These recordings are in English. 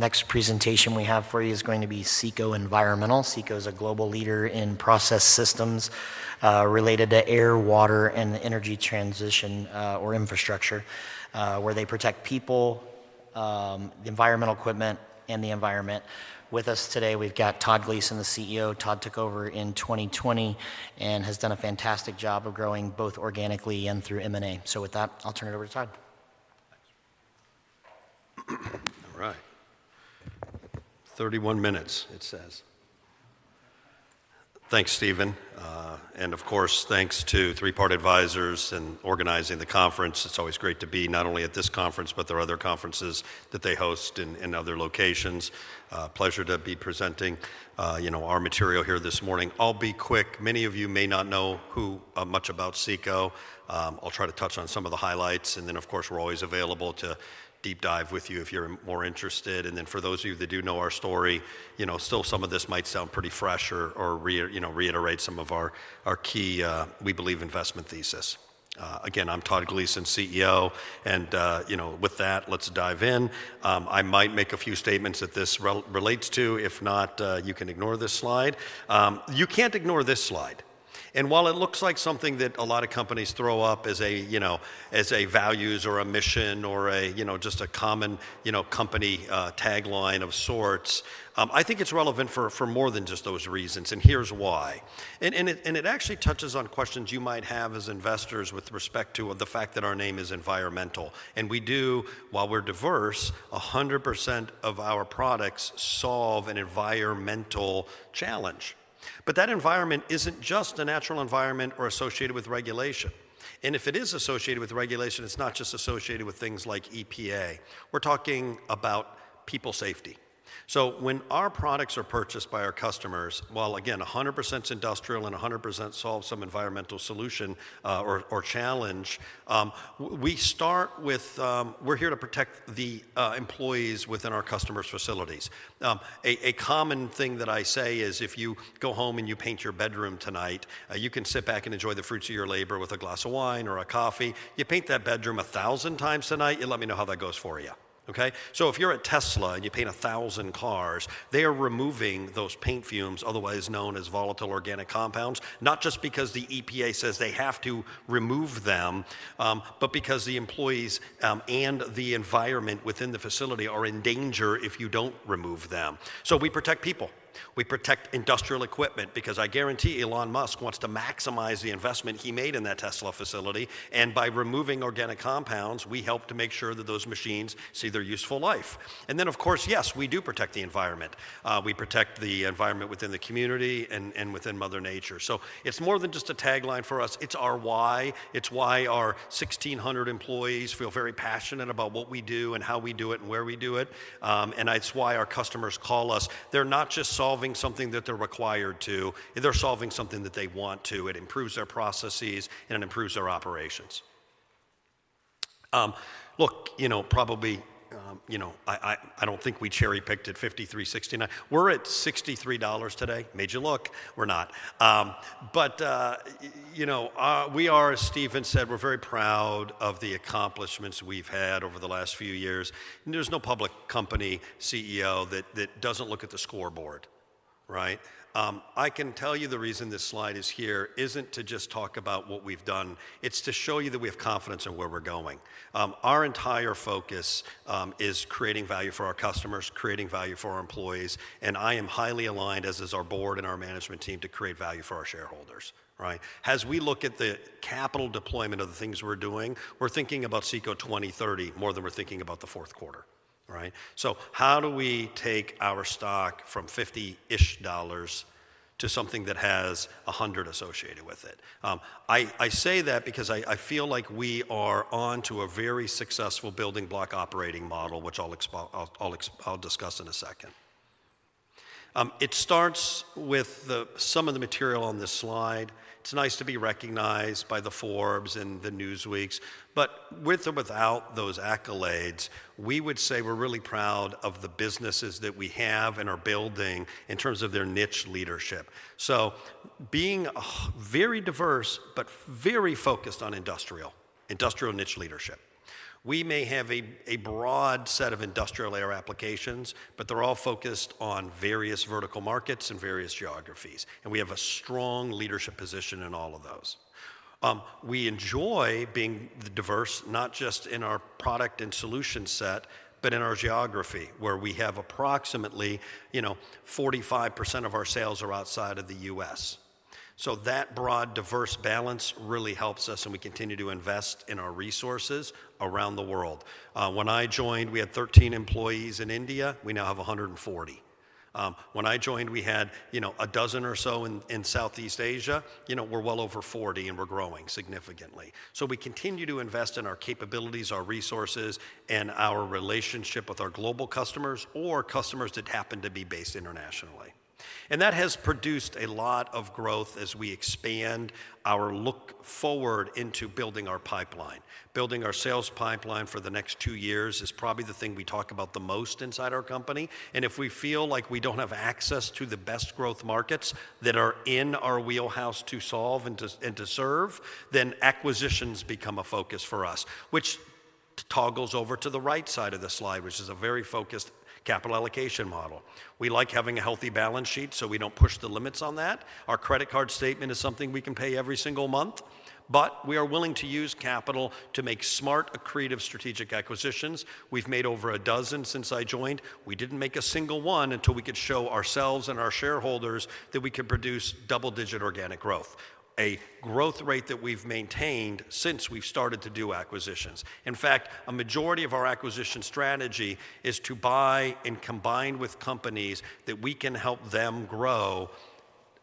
Next presentation we have for you is going to be CECO Environmental. CECO is a global leader in process systems related to air, water, and energy transition or infrastructure, where they protect people, the environmental equipment, and the environment. With us today, we've got Todd Gleason, the CEO. Todd took over in 2020 and has done a fantastic job of growing both organically and through M&A. With that, I'll turn it over to Todd. All right. 31 minutes, it says. Thanks, Steven. And of course, thanks to Three Part Advisors in organizing the conference. It's always great to be not only at this conference, but there are other conferences that they host in other locations. Pleasure to be presenting our material here this morning. I'll be quick. Many of you may not know much about CECO. I'll try to touch on some of the highlights. And then, of course, we're always available to deep dive with you if you're more interested. And then for those of you that do know our story, still some of this might sound pretty fresh or reiterate some of our key, we believe, investment thesis. Again, I'm Todd Gleason, CEO. And with that, let's dive in. I might make a few statements that this relates to. If not, you can ignore this slide. You can't ignore this slide. While it looks like something that a lot of companies throw up as a values or a mission or just a common company tagline of sorts, I think it's relevant for more than just those reasons. Here's why. It actually touches on questions you might have as investors with respect to the fact that our name is environmental. We do, while we're diverse, 100% of our products solve an environmental challenge. That environment isn't just a natural environment or associated with regulation. If it is associated with regulation, it's not just associated with things like EPA. We're talking about people safety. When our products are purchased by our customers, while again, 100% is industrial and 100% solves some environmental solution or challenge, we start with we're here to protect the employees within our customers' facilities. A common thing that I say is if you go home and you paint your bedroom tonight, you can sit back and enjoy the fruits of your labor with a glass of wine or a coffee. You paint that bedroom 1,000 times tonight, you let me know how that goes for you. If you're at Tesla and you paint 1,000 cars, they are removing those paint fumes, otherwise known as volatile organic compounds, not just because the EPA says they have to remove them, but because the employees and the environment within the facility are in danger if you don't remove them. We protect people. We protect industrial equipment because I guarantee Elon Musk wants to maximize the investment he made in that Tesla facility. By removing organic compounds, we help to make sure that those machines see their useful life. Of course, yes, we do protect the environment. We protect the environment within the community and within Mother Nature. It is more than just a tagline for us. It is our why. It is why our 1,600 employees feel very passionate about what we do and how we do it and where we do it. It is why our customers call us. They are not just solving something that they are required to. They are solving something that they want to. It improves their processes and it improves their operations. Look, probably I do not think we cherry-picked at $5,369. We are at $63 today. Made you look. We are not. We are, as Steven said, very proud of the accomplishments we have had over the last few years. There is no public company CEO that does not look at the scoreboard. I can tell you the reason this slide is here is not to just talk about what we have done. It is to show you that we have confidence in where we are going. Our entire focus is creating value for our customers, creating value for our employees. I am highly aligned, as is our board and our management team, to create value for our shareholders. As we look at the capital deployment of the things we are doing, we are thinking about CECO 2030 more than we are thinking about the fourth quarter. How do we take our stock from $50-ish to something that has $100 associated with it? I say that because I feel like we are on to a very successful building block operating model, which I will discuss in a second. It starts with some of the material on this slide. It is nice to be recognized by the Forbes and the Newsweeks. With or without those accolades, we would say we're really proud of the businesses that we have and are building in terms of their niche leadership. Being very diverse, but very focused on industrial, industrial niche leadership. We may have a broad set of industrial air applications, but they're all focused on various vertical markets and various geographies. We have a strong leadership position in all of those. We enjoy being diverse, not just in our product and solution set, but in our geography, where we have approximately 45% of our sales outside of the U.S. That broad diverse balance really helps us, and we continue to invest in our resources around the world. When I joined, we had 13 employees in India. We now have 140. When I joined, we had a dozen or so in Southeast Asia. We're well over 40, and we're growing significantly. We continue to invest in our capabilities, our resources, and our relationship with our global customers or customers that happen to be based internationally. That has produced a lot of growth as we expand our look forward into building our pipeline. Building our sales pipeline for the next two years is probably the thing we talk about the most inside our company. If we feel like we don't have access to the best growth markets that are in our wheelhouse to solve and to serve, then acquisitions become a focus for us, which toggles over to the right side of the slide, which is a very focused capital allocation model. We like having a healthy balance sheet, so we don't push the limits on that. Our credit card statement is something we can pay every single month. We are willing to use capital to make smart, accretive strategic acquisitions. We've made over a dozen since I joined. We didn't make a single one until we could show ourselves and our shareholders that we could produce double-digit organic growth, a growth rate that we've maintained since we've started to do acquisitions. In fact, a majority of our acquisition strategy is to buy and combine with companies that we can help them grow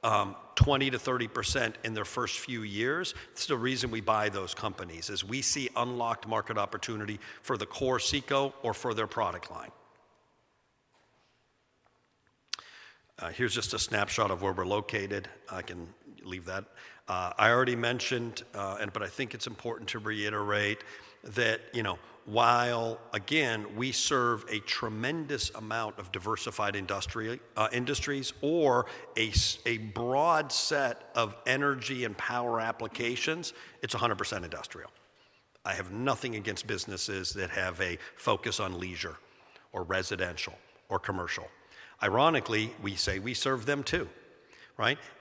20%-30% in their first few years. The reason we buy those companies is we see unlocked market opportunity for the core CECO or for their product line. Here's just a snapshot of where we're located. I can leave that. I already mentioned, but I think it's important to reiterate that while, again, we serve a tremendous amount of diversified industries or a broad set of energy and power applications, it's 100% industrial. I have nothing against businesses that have a focus on leisure or residential or commercial. Ironically, we say we serve them too.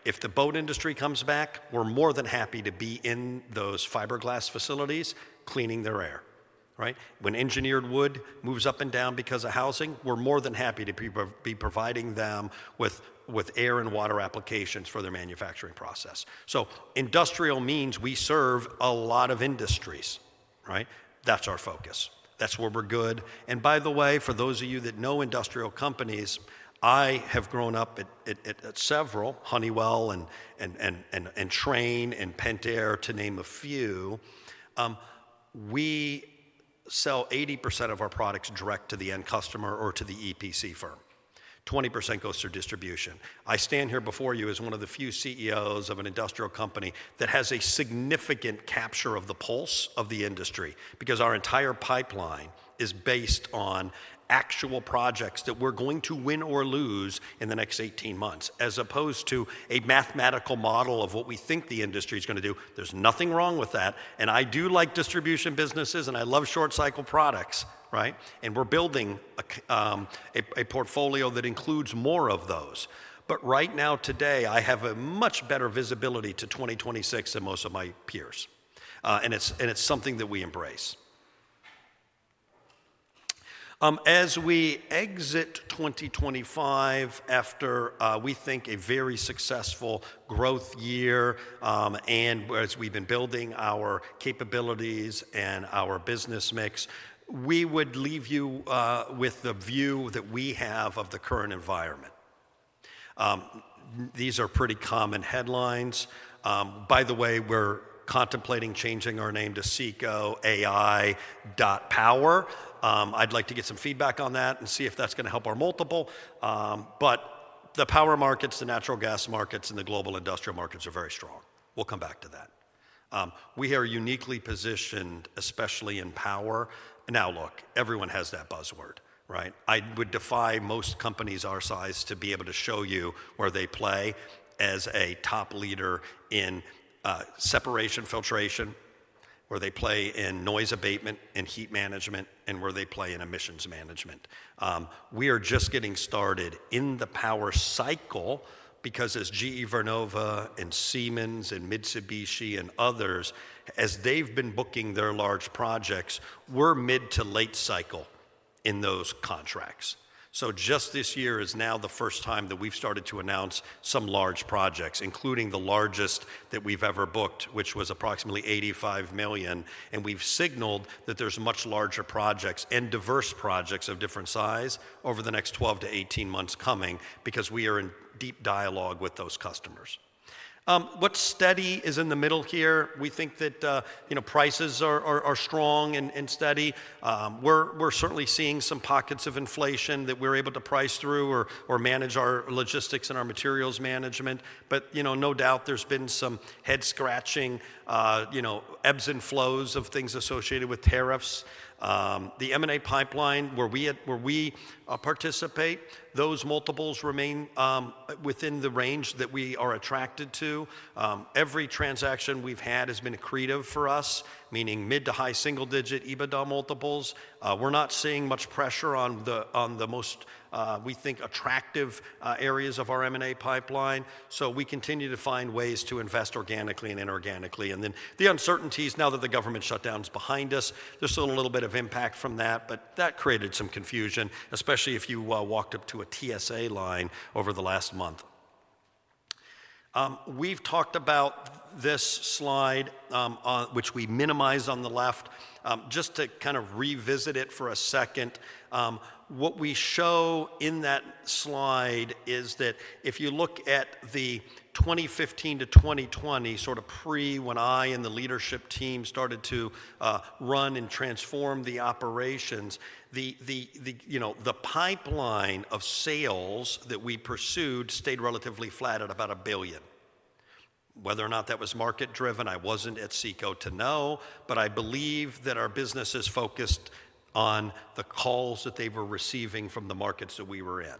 If the boat industry comes back, we're more than happy to be in those fiberglass facilities cleaning their air. When engineered wood moves up and down because of housing, we're more than happy to be providing them with air and water applications for their manufacturing process. Industrial means we serve a lot of industries. That's our focus. That's where we're good. By the way, for those of you that know industrial companies, I have grown up at several, Honeywell and Trane and Pentair, to name a few. We sell 80% of our products direct to the end customer or to the EPC firm. 20% goes through distribution. I stand here before you as one of the few CEOs of an industrial company that has a significant capture of the pulse of the industry because our entire pipeline is based on actual projects that we're going to win or lose in the next 18 months, as opposed to a mathematical model of what we think the industry is going to do. There's nothing wrong with that. I do like distribution businesses, and I love short-cycle products. We're building a portfolio that includes more of those. Right now, today, I have a much better visibility to 2026 than most of my peers. It's something that we embrace. As we exit 2025 after we think a very successful growth year and as we've been building our capabilities and our business mix, we would leave you with the view that we have of the current environment. These are pretty common headlines. By the way, we're contemplating changing our name to CECO AI.Power. I'd like to get some feedback on that and see if that's going to help our multiple. The power markets, the natural gas markets, and the global industrial markets are very strong. We'll come back to that. We are uniquely positioned, especially in power. Now, look, everyone has that buzzword. I would defy most companies our size to be able to show you where they play as a top leader in separation filtration, where they play in noise abatement and heat management, and where they play in emissions management. We are just getting started in the power cycle because as GE Vernova and Siemens and Mitsubishi and others, as they've been booking their large projects, we're mid to late cycle in those contracts. Just this year is now the first time that we've started to announce some large projects, including the largest that we've ever booked, which was approximately $85 million. We've signaled that there's much larger projects and diverse projects of different size over the next 12 months-18 months coming because we are in deep dialogue with those customers. What's steady is in the middle here. We think that prices are strong and steady. We're certainly seeing some pockets of inflation that we're able to price through or manage our logistics and our materials management. No doubt there's been some head-scratching ebbs and flows of things associated with tariffs. The M&A pipeline where we participate, those multiples remain within the range that we are attracted to. Every transaction we've had has been accretive for us, meaning mid to high single-digit EBITDA multiples. We're not seeing much pressure on the most, we think, attractive areas of our M&A pipeline. We continue to find ways to invest organically and inorganically. The uncertainties, now that the government shutdown's behind us, there's still a little bit of impact from that. That created some confusion, especially if you walked up to a TSA line over the last month. We've talked about this slide, which we minimize on the left, just to kind of revisit it for a second. What we show in that slide is that if you look at the 2015 to 2020, sort of pre when I and the leadership team started to run and transform the operations, the pipeline of sales that we pursued stayed relatively flat at about $1 billion. Whether or not that was market-driven, I wasn't at CECO to know. I believe that our business is focused on the calls that they were receiving from the markets that we were in.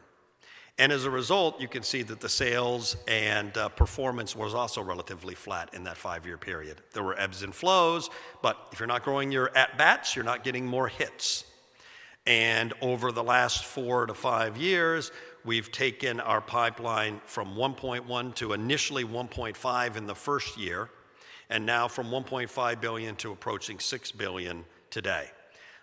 As a result, you can see that the sales and performance was also relatively flat in that five-year period. There were ebbs and flows. If you're not growing your at-bats, you're not getting more hits. Over the last four to five years, we've taken our pipeline from $1.1 billion to initially $1.5 billion in the first year, and now from $1.5 billion to approaching $6 billion today.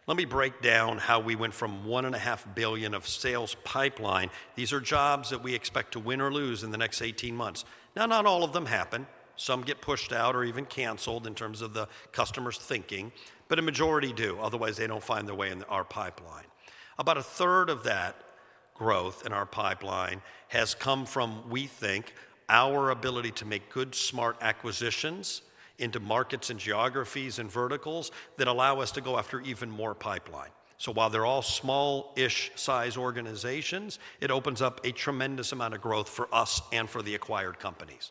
Let me break down how we went from $1.5 billion of sales pipeline. These are jobs that we expect to win or lose in the next 18 months. Not all of them happen. Some get pushed out or even canceled in terms of the customer's thinking. A majority do. Otherwise, they don't find their way in our pipeline. About a third of that growth in our pipeline has come from, we think, our ability to make good, smart acquisitions into markets and geographies and verticals that allow us to go after even more pipeline. While they're all small-ish size organizations, it opens up a tremendous amount of growth for us and for the acquired companies.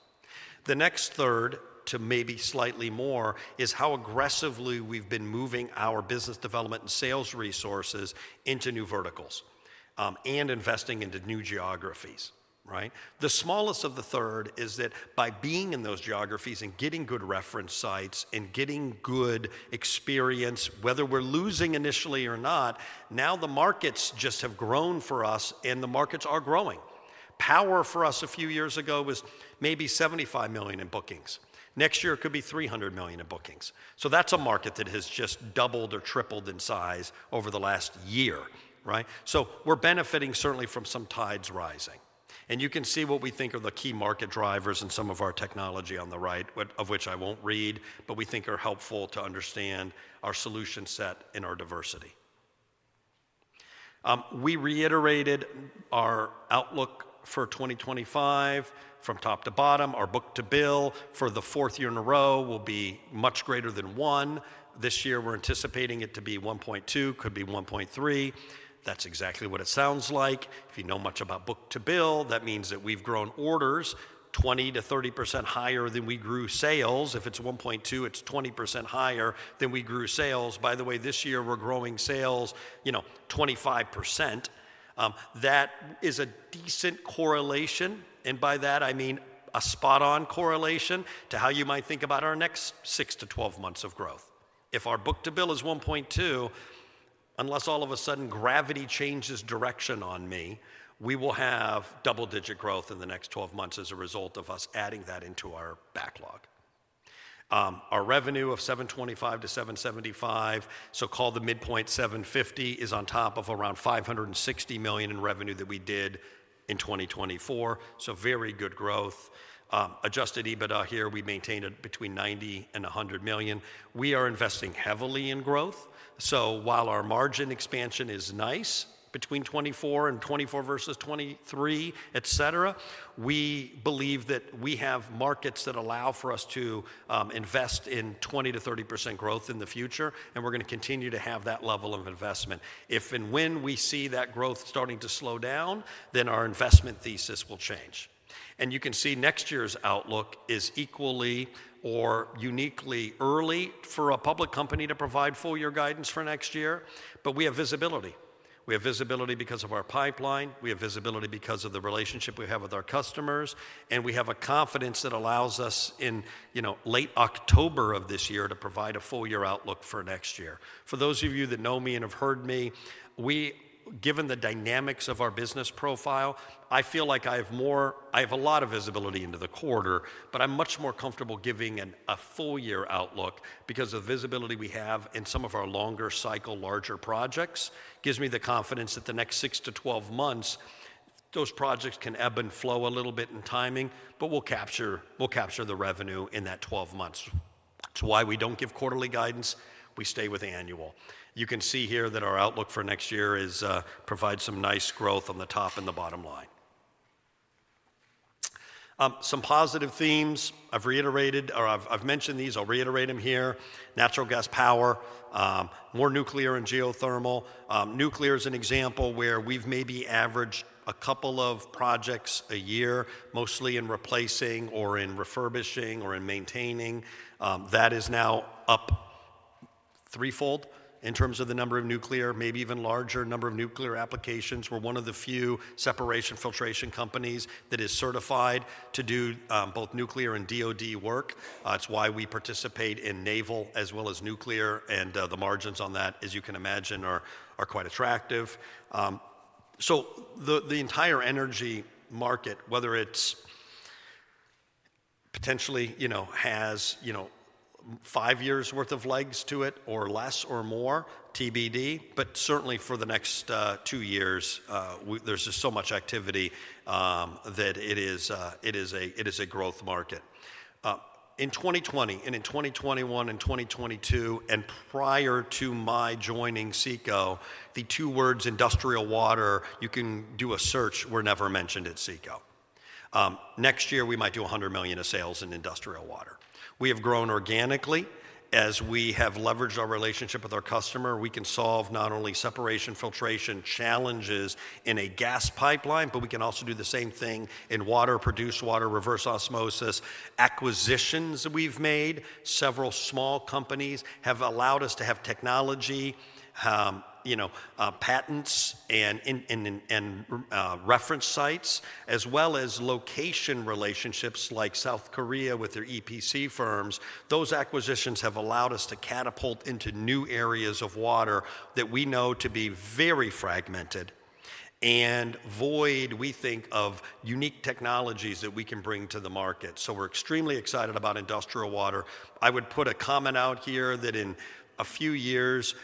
The next third, to maybe slightly more, is how aggressively we've been moving our business development and sales resources into new verticals and investing into new geographies. The smallest of the third is that by being in those geographies and getting good reference sites and getting good experience, whether we're losing initially or not, now the markets just have grown for us, and the markets are growing. Power for us a few years ago was maybe $75 million in bookings. Next year, it could be $300 million in bookings. That's a market that has just doubled or tripled in size over the last year. We're benefiting certainly from some tides rising. You can see what we think are the key market drivers and some of our technology on the right, of which I won't read, but we think are helpful to understand our solution set and our diversity. We reiterated our outlook for 2025 from top to bottom. Our book to bill for the fourth year in a row will be much greater than one. This year, we're anticipating it to be $1.2, could be $1.3. That's exactly what it sounds like. If you know much about book to bill, that means that we've grown orders 20%-30% higher than we grew sales. If it's 1.2, it's 20% higher than we grew sales. By the way, this year, we're growing sales 25%. That is a decent correlation. And by that, I mean a spot-on correlation to how you might think about our next 6 months to 12 months of growth. If our book to bill is $1.2, unless all of a sudden gravity changes direction on me, we will have double-digit growth in the next 12 months as a result of us adding that into our backlog. Our revenue of $725 million-$775 million, so call the midpoint $750 million, is on top of around $560 million in revenue that we did in 2024. Very good growth. Adjusted EBITDA here, we maintain it between $90 million and $100 million. We are investing heavily in growth. While our margin expansion is nice between 2024 and 2024 versus 2023, etc., we believe that we have markets that allow for us to invest in 20%-30% growth in the future. We're going to continue to have that level of investment. If and when we see that growth starting to slow down, our investment thesis will change. You can see next year's outlook is equally or uniquely early for a public company to provide full-year guidance for next year. We have visibility. We have visibility because of our pipeline. We have visibility because of the relationship we have with our customers. We have a confidence that allows us in late October of this year to provide a full-year outlook for next year. For those of you that know me and have heard me, given the dynamics of our business profile, I feel like I have a lot of visibility into the quarter. I'm much more comfortable giving a full-year outlook because the visibility we have in some of our longer cycle, larger projects gives me the confidence that the next 6 months to 12 months, those projects can ebb and flow a little bit in timing, but we'll capture the revenue in that 12 months. It's why we don't give quarterly guidance. We stay with annual. You can see here that our outlook for next year provides some nice growth on the top and the bottom line. Some positive themes I've reiterated or I've mentioned these. I'll reiterate them here. Natural gas power, more nuclear and geothermal. Nuclear is an example where we've maybe averaged a couple of projects a year, mostly in replacing or in refurbishing or in maintaining. That is now up threefold in terms of the number of nuclear, maybe even larger number of nuclear applications. We're one of the few separation filtration companies that is certified to do both nuclear and DOD work. It is why we participate in naval as well as nuclear. The margins on that, as you can imagine, are quite attractive. The entire energy market, whether it potentially has five years' worth of legs to it or less or more, TBD, but certainly for the next two years, there is just so much activity that it is a growth market. In 2020 and in 2021 and 2022, and prior to my joining CECO, the two words industrial water, you can do a search, were never mentioned at CECO. Next year, we might do $100 million in sales in industrial water. We have grown organically. As we have leveraged our relationship with our customer, we can solve not only separation filtration challenges in a gas pipeline, but we can also do the same thing in water, produce water, reverse osmosis. Acquisitions that we've made, several small companies have allowed us to have technology, patents, and reference sites, as well as location relationships like South Korea with their EPC firms. Those acquisitions have allowed us to catapult into new areas of water that we know to be very fragmented and void, we think, of unique technologies that we can bring to the market. We are extremely excited about industrial water. I would put a comment out here that in a few years,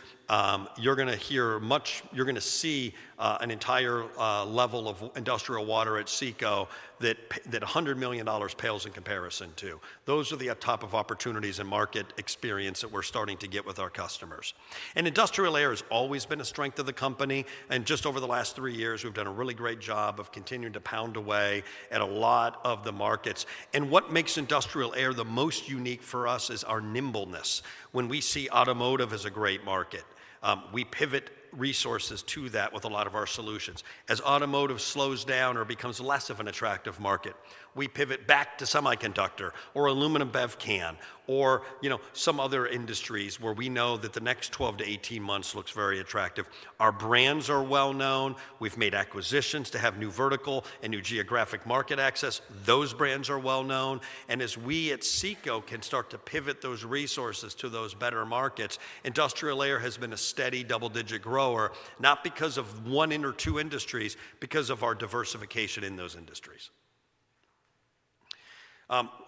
you're going to hear much, you're going to see an entire level of industrial water at CECO that $100 million pales in comparison to. Those are the top of opportunities and market experience that we're starting to get with our customers. Industrial air has always been a strength of the company. Just over the last three years, we've done a really great job of continuing to pound away at a lot of the markets. What makes industrial air the most unique for us is our nimbleness. When we see automotive as a great market, we pivot resources to that with a lot of our solutions. As automotive slows down or becomes less of an attractive market, we pivot back to semiconductor or aluminum bev can or some other industries where we know that the next 12 months to 18 months looks very attractive. Our brands are well-known. We've made acquisitions to have new vertical and new geographic market access. Those brands are well-known. As we at CECO can start to pivot those resources to those better markets, industrial air has been a steady double-digit grower, not because of one or two industries, but because of our diversification in those industries.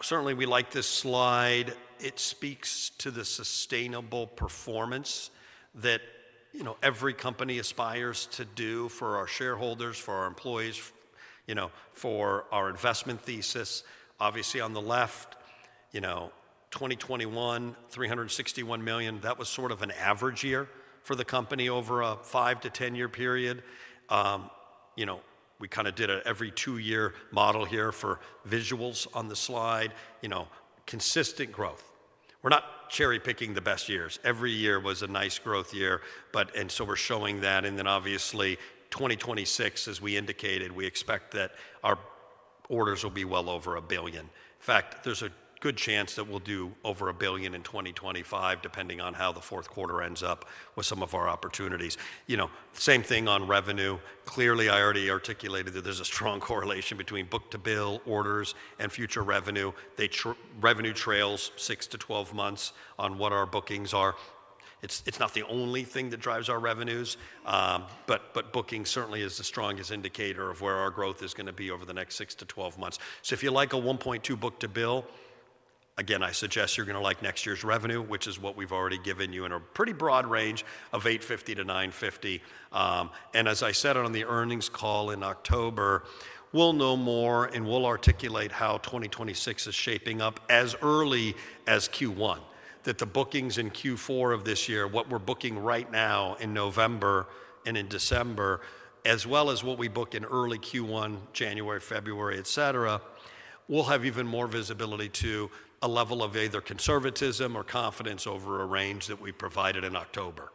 Certainly, we like this slide. It speaks to the sustainable performance that every company aspires to do for our shareholders, for our employees, for our investment thesis. Obviously, on the left, 2021, $361 million, that was sort of an average year for the company over a five year to 10-year period. We kind of did an every two-year model here for visuals on the slide. Consistent growth. We're not cherry-picking the best years. Every year was a nice growth year. We're showing that. Obviously, 2026, as we indicated, we expect that our orders will be well over a billion. In fact, there's a good chance that we'll do over $1 billion in 2025, depending on how the fourth quarter ends up with some of our opportunities. Same thing on revenue. Clearly, I already articulated that there's a strong correlation between book to bill orders and future revenue. Revenue trails, six months to 12 months on what our bookings are. It's not the only thing that drives our revenues. But booking certainly is the strongest indicator of where our growth is going to be over the next six months to 12 months. If you like a $1.2 book to bill, again, I suggest you're going to like next year's revenue, which is what we've already given you in a pretty broad range of $850 million-$950 million. As I said on the earnings call in October, we'll know more and we'll articulate how 2026 is shaping up as early as Q1, that the bookings in Q4 of this year, what we're booking right now in November and in December, as well as what we book in early Q1, January, February, etc., will have even more visibility to a level of either conservatism or confidence over a range that we provided in October.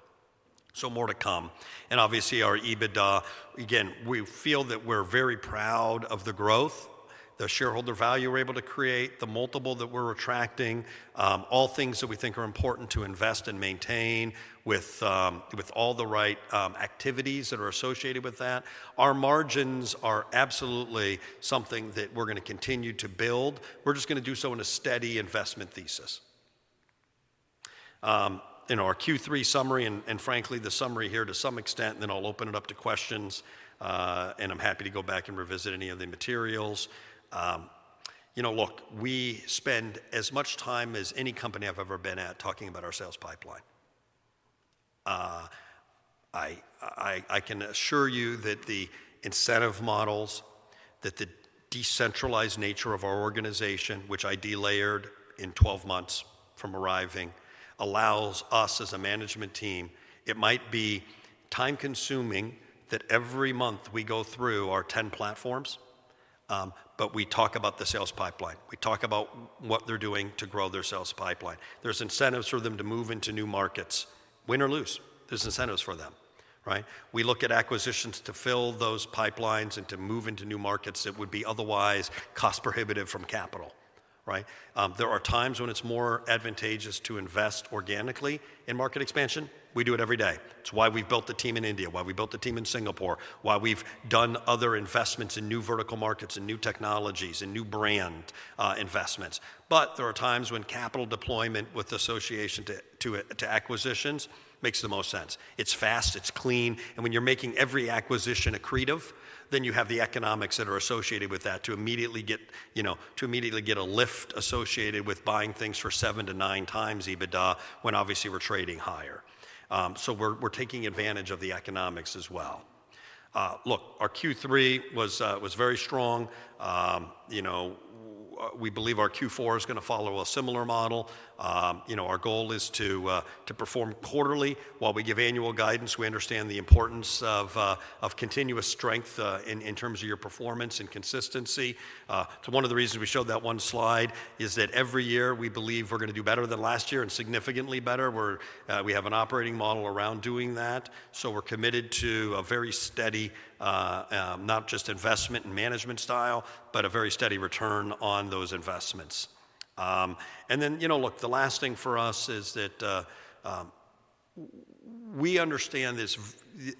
More to come. Obviously, our EBITDA, again, we feel that we're very proud of the growth, the shareholder value we're able to create, the multiple that we're attracting, all things that we think are important to invest and maintain with all the right activities that are associated with that. Our margins are absolutely something that we're going to continue to build. We're just going to do so in a steady investment thesis. Our Q3 summary and, frankly, the summary here to some extent, and then I'll open it up to questions. I'm happy to go back and revisit any of the materials. Look, we spend as much time as any company I've ever been at talking about our sales pipeline. I can assure you that the incentive models, that the decentralized nature of our organization, which I delayered in 12 months from arriving, allows us as a management team. It might be time-consuming that every month we go through our 10 platforms, but we talk about the sales pipeline. We talk about what they're doing to grow their sales pipeline. There's incentives for them to move into new markets. Win or lose, there's incentives for them. We look at acquisitions to fill those pipelines and to move into new markets that would be otherwise cost-prohibitive from capital. There are times when it's more advantageous to invest organically in market expansion. We do it every day. It's why we've built the team in India, why we built the team in Singapore, why we've done other investments in new vertical markets and new technologies and new brand investments. There are times when capital deployment with association to acquisitions makes the most sense. It's fast. It's clean. When you're making every acquisition accretive, then you have the economics that are associated with that to immediately get a lift associated with buying things for seven to nine times EBITDA when obviously we're trading higher. We're taking advantage of the economics as well. Look, our Q3 was very strong. We believe our Q4 is going to follow a similar model. Our goal is to perform quarterly while we give annual guidance. We understand the importance of continuous strength in terms of your performance and consistency. One of the reasons we showed that one slide is that every year we believe we're going to do better than last year and significantly better. We have an operating model around doing that. We're committed to a very steady, not just investment and management style, but a very steady return on those investments. The last thing for us is that we understand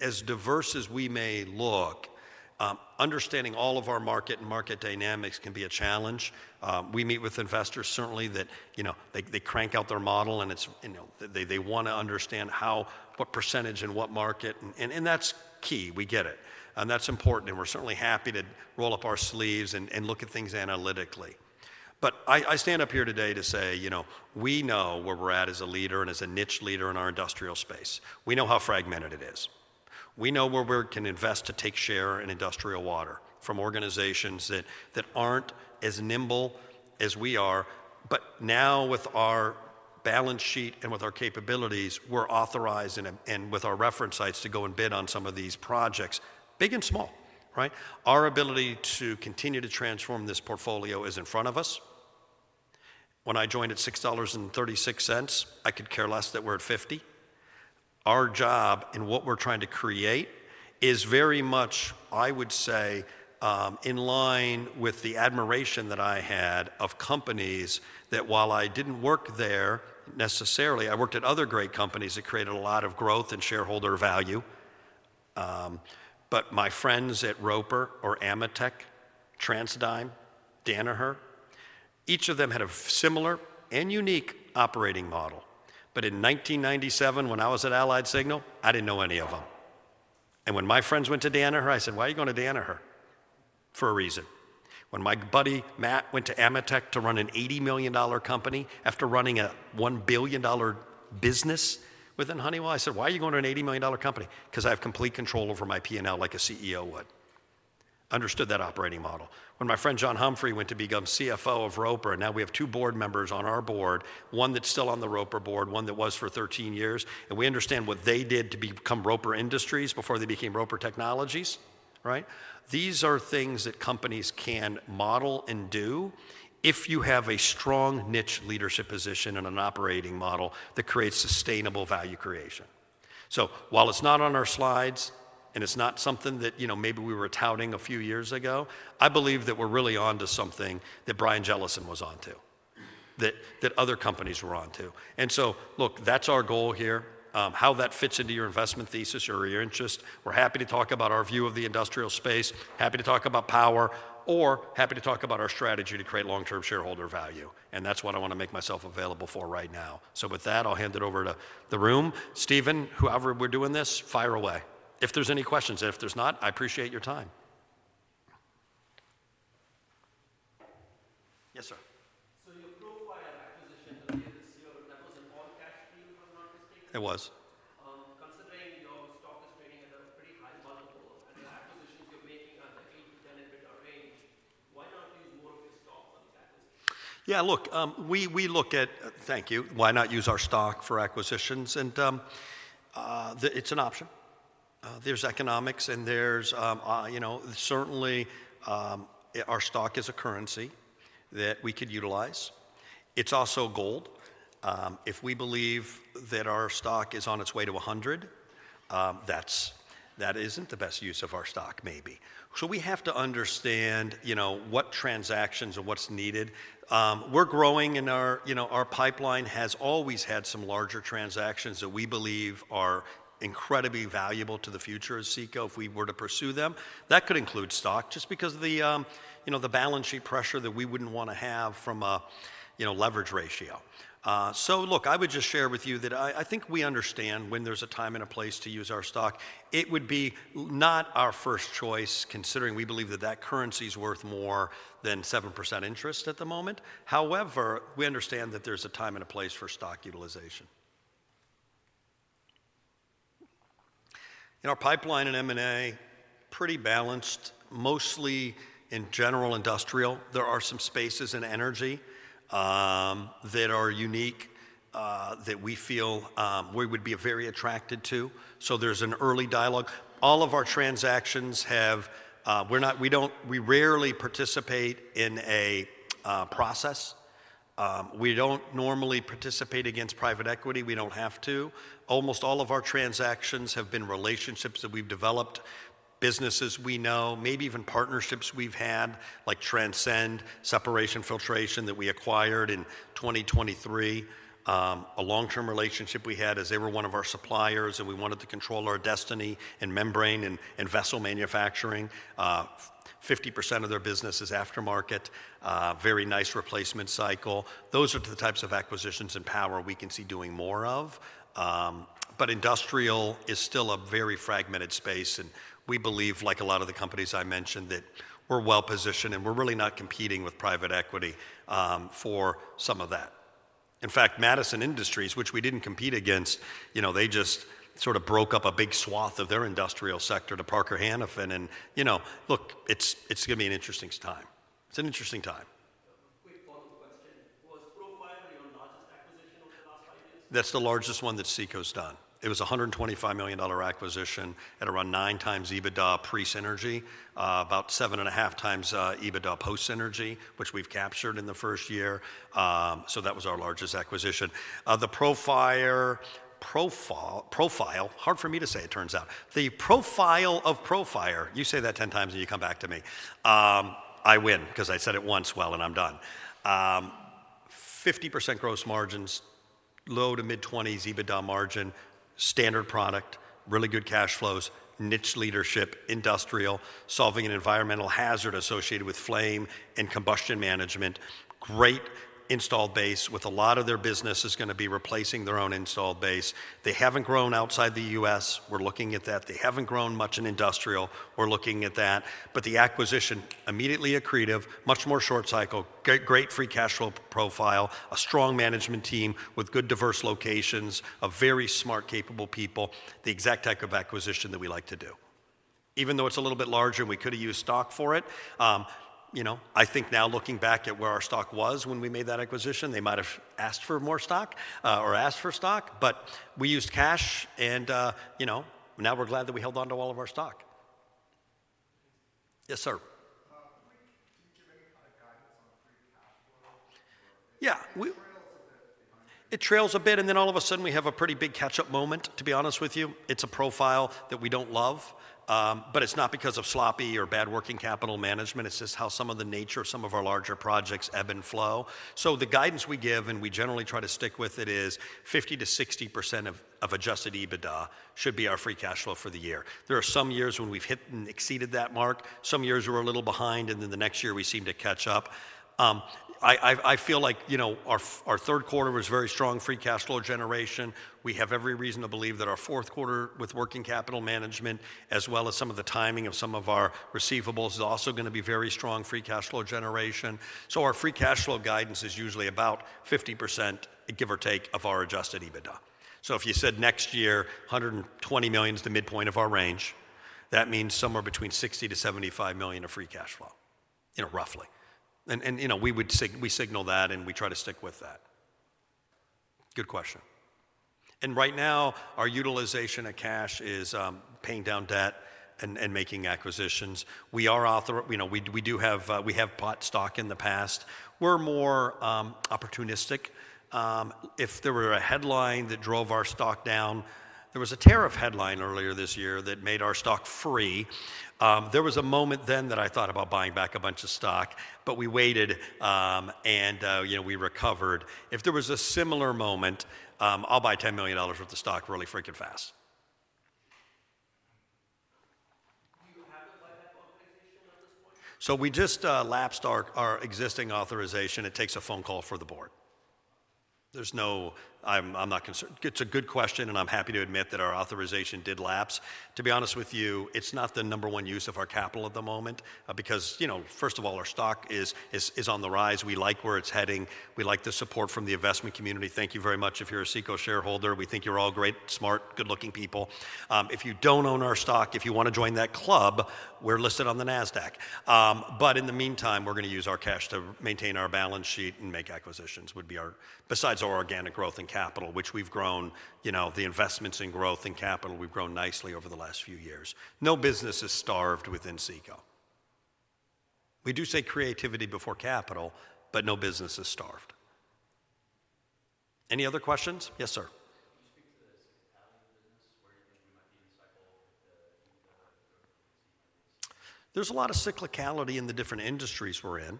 as diverse as we may look, understanding all of our market and market dynamics can be a challenge. We meet with investors, certainly, that they crank out their model and they want to understand what percentage and what market. That's key. We get it. That's important. We're certainly happy to roll up our sleeves and look at things analytically. I stand up here today to say we know where we're at as a leader and as a niche leader in our industrial space. We know how fragmented it is. We know where we can invest to take share in industrial water from organizations that aren't as nimble as we are. Now, with our balance sheet and with our capabilities, we're authorized and with our reference sites to go and bid on some of these projects, big and small. Our ability to continue to transform this portfolio is in front of us. When I joined at $6.36, I could care less that we're at $50. Our job and what we're trying to create is very much, I would say, in line with the admiration that I had of companies that, while I didn't work there necessarily, I worked at other great companies that created a lot of growth and shareholder value. My friends at Roper or AMETEK, TransDigm, Danaher, each of them had a similar and unique operating model. In 1997, when I was at AlliedSignal, I didn't know any of them. When my friends went to Danaher, I said, "Why are you going to Danaher?" For a reason. When my buddy Matt went to AMETEK to run an $80 million company after running a $1 billion business within Honeywell, I said, "Why are you going to an $80 million company?" Because I have complete control over my P&L like a CEO would. Understood that operating model. When my friend John Humphrey went to become CFO of Roper, now we have two board members on our board, one that's still on the Roper board, one that was for 13 years. We understand what they did to become Roper Industries before they became Roper Technologies. These are things that companies can model and do if you have a strong niche leadership position and an operating model that creates sustainable value creation. While it's not on our slides and it's not something that maybe we were touting a few years ago, I believe that we're really on to something that Brian Jellison was onto, that other companies were onto. Look, that's our goal here. How that fits into your investment thesis or your interest, we're happy to talk about our view of the industrial space, happy to talk about power, or happy to talk about our strategy to create long-term shareholder value. That is what I want to make myself available for right now. With that, I'll hand it over to the room. Steven, whoever we're doing this, fire away. If there are any questions. If there are not, I appreciate your time. Yes, sir. Your Profire acquisition earlier this year, that was an all-cash deal, if I'm not mistaken? It was. Considering your stock is trading at a pretty high multiple Yeah, look, we look at, thank you. Why not use our stock for acquisitions? It is an option. There's economics and there's certainly our stock is a currency that we could utilize. It's also gold. If we believe that our stock is on its way to $100, that isn't the best use of our stock, maybe. We have to understand what transactions and what's needed. We're growing and our pipeline has always had some larger transactions that we believe are incredibly valuable to the future of CECO if we were to pursue them. That could include stock just because of the balance sheet pressure that we wouldn't want to have from a leverage ratio. I would just share with you that I think we understand when there's a time and a place to use our stock. It would be not our first choice considering we believe that that currency is worth more than 7% interest at the moment. However, we understand that there's a time and a place for stock utilization. In our pipeline in M&A, pretty balanced, mostly in general industrial. There are some spaces in energy that are unique that we feel we would be very attracted to. There's an early dialogue. All of our transactions have we rarely participate in a process. We don't normally participate against private equity. We don't have to. Almost all of our transactions have been relationships that we've developed, businesses we know, maybe even partnerships we've had like Transcend, Separation Filtration that we acquired in 2023, a long-term relationship we had as they were one of our suppliers and we wanted to control our destiny in membrane and vessel manufacturing. 50% of their business is aftermarket, very nice replacement cycle. Those are the types of acquisitions and power we can see doing more of. Industrial is still a very fragmented space. We believe, like a lot of the companies I mentioned, that we're well-positioned and we're really not competing with private equity for some of that. In fact, Madison Industries, which we didn't compete against, they just sort of broke up a big swath of their industrial sector to Parker Hannifin. Look, it's going to be an interesting time. It's an interesting time. Quick follow-up question. Was Profire your largest acquisition over the last five years? That's the largest one that CECO's done. It was a $125 million acquisition at around nine times EBITDA pre-synergy, about seven and a half times EBITDA post-synergy, which we've captured in the first year. That was our largest acquisition. The Profire, hard for me to say, it turns out. The Profire of Profire, you say that 10 times and you come back to me. I win because I said it once well and I'm done. 50% gross margins, low to mid-20s EBITDA margin, standard product, really good cash flows, niche leadership, industrial, solving an environmental hazard associated with flame and combustion management, great installed base with a lot of their business is going to be replacing their own installed base. They haven't grown outside the U.S. We're looking at that. They haven't grown much in industrial. We're looking at that. The acquisition, immediately accretive, much more short cycle, great free cash flow profile, a strong management team with good diverse locations, very smart, capable people, the exact type of acquisition that we like to do. Even though it's a little bit larger and we could have used stock for it, I think now looking back at where our stock was when we made that acquisition, they might have asked for more stock or asked for stock. We used cash and now we're glad that we held on to all of our stock. Yes, sir. It trails a bit and then all of a sudden we have a pretty big catch-up moment, to be honest with you. It's a profile that we don't love. It's not because of sloppy or bad working capital management. It's just how some of the nature of some of our larger projects ebb and flow. The guidance we give and we generally try to stick with it is 50%-60% of adjusted EBITDA should be our free cash flow for the year. There are some years when we've hit and exceeded that mark. Some years we're a little behind and then the next year we seem to catch up. I feel like our third quarter was very strong free cash flow generation. We have every reason to believe that our fourth quarter with working capital management, as well as some of the timing of some of our receivables, is also going to be very strong free cash flow generation. Our free cash flow guidance is usually about 50%, give or take, of our adjusted EBITDA. If you said next year, $120 million is the midpoint of our range, that means somewhere between $60 million-$75 million of free cash flow, roughly. We signal that and we try to stick with that. Good question. Right now, our utilization of cash is paying down debt and making acquisitions. We do have bought stock in the past. We're more opportunistic. If there were a headline that drove our stock down, there was a tariff headline earlier this year that made our stock free. There was a moment then that I thought about buying back a bunch of stock, but we waited and we recovered. If there was a similar moment, I'll buy $10 million worth of stock really freaking fast. We just lapsed our existing authorization. It takes a phone call for the board. I'm not concerned. It's a good question and I'm happy to admit that our authorization did lapse. To be honest with you, it's not the number one use of our capital at the moment because, first of all, our stock is on the rise. We like where it's heading. We like the support from the investment community. Thank you very much if you're a CECO shareholder. We think you're all great, smart, good-looking people. If you don't own our stock, if you want to join that club, we're listed on the NASDAQ. In the meantime, we're going to use our cash to maintain our balance sheet and make acquisitions besides our organic growth in capital, which we've grown. The investments in growth and capital, we've grown nicely over the last few years. No business is starved within CECO. We do say creativity before capital, but no business is starved. Any other questions? Yes, sir. There's a lot of cyclicality in the different industries we're in.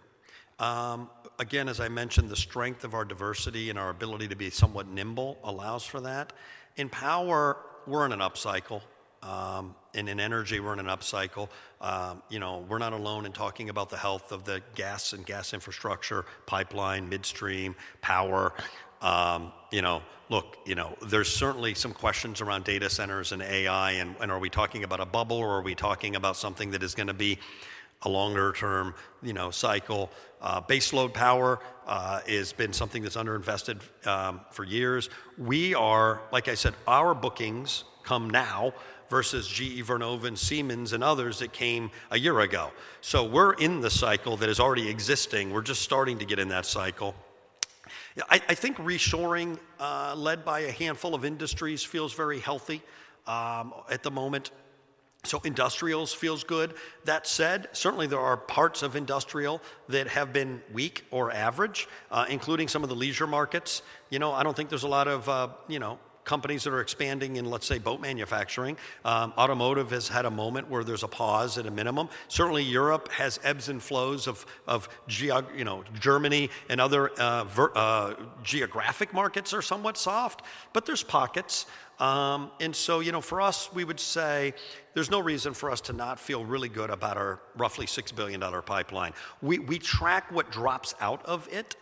Again, as I mentioned, the strength of our diversity and our ability to be somewhat nimble allows for that. In power, we're in an upcycle. In energy, we're in an upcycle. We're not alone in talking about the health of the gas and gas infrastructure pipeline, midstream power. Look, there's certainly some questions around data centers and AI. Are we talking about a bubble or are we talking about something that is going to be a longer-term cycle? Baseload power has been something that's underinvested for years. Like I said, our bookings come now versus GE Vernova, Siemens, and others that came a year ago. We are in the cycle that is already existing. We're just starting to get in that cycle. I think reshoring led by a handful of industries feels very healthy at the moment. Industrials feels good. That said, certainly there are parts of industrial that have been weak or average, including some of the leisure markets. I don't think there's a lot of companies that are expanding in, let's say, boat manufacturing. Automotive has had a moment where there's a pause at a minimum. Certainly, Europe has ebbs and flows of Germany and other geographic markets are somewhat soft. There's pockets. For us, we would say there's no reason for us to not feel really good about our roughly $6 billion pipeline. We track what drops out of it.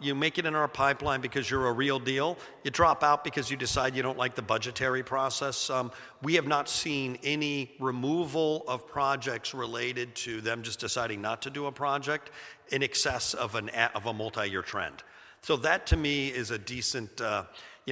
You make it in our pipeline because you're a real deal. You drop out because you decide you don't like the budgetary process. We have not seen any removal of projects related to them just deciding not to do a project in excess of a multi-year trend. That, to me, is a decent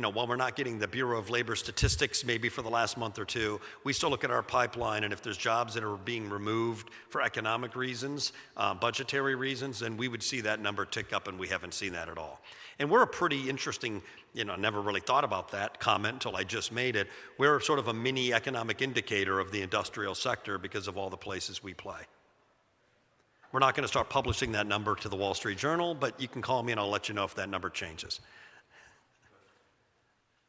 while we're not getting the Bureau of Labor Statistics maybe for the last month or two, we still look at our pipeline. If there's jobs that are being removed for economic reasons, budgetary reasons, then we would see that number tick up and we haven't seen that at all. We're a pretty interesting never really thought about that comment until I just made it. We're sort of a mini economic indicator of the industrial sector because of all the places we play. We're not going to start publishing that number to the Wall Street Journal, but you can call me and I'll let you know if that number changes.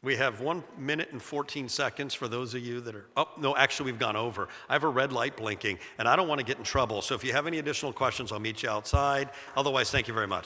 We have one minute and 14 seconds for those of you that are oh, no, actually we've gone over. I have a red light blinking and I don't want to get in trouble. If you have any additional questions, I'll meet you outside. Otherwise, thank you very much.